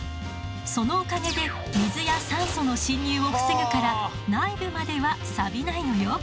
そのおかげで水や酸素の侵入を防ぐから内部まではサビないのよ。